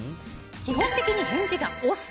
基本的に返事が押忍。